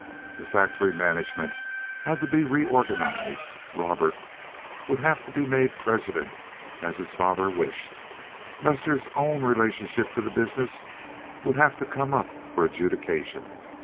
The factory management had to be reorganized. Robert would have to be made president, as his father wished. Lester's own relationship to the business would have to come up for adjudication.